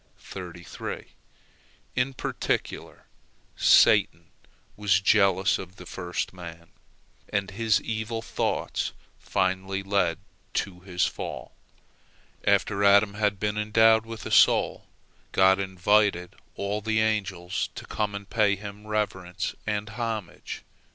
In particular, Satan was jealous of the first man, and his evil thoughts finally led to his fall. After Adam had been endowed with a soul, God invited all the angels to come and pay him reverence and homage.